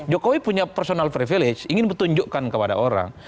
jokowi punya personal privilege ingin menunjukkan kepada orang